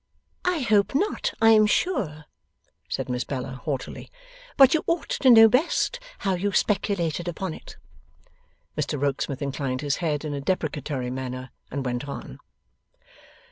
'I hope not, I am sure,' said Miss Bella, haughtily. 'But you ought to know best how you speculated upon it.' Mr Rokesmith inclined his head in a deprecatory manner, and went on.